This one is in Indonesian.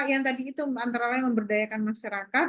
yang tadi itu antara lain memberdayakan masyarakat